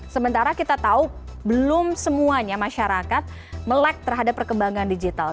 sementara kita tahu belum semuanya masyarakat melek terhadap perkembangan digital